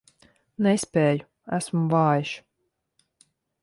Nespēju, esmu vājš.